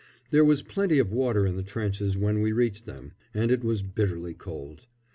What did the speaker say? There was plenty of water in the trenches when we reached them, and it was bitterly cold.